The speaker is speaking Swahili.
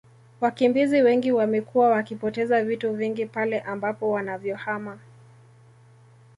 Wakimbizi wengi wamekuwa wakipoteza vitu vingi pale ambapo wanavyohama